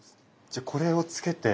じゃこれをつけて。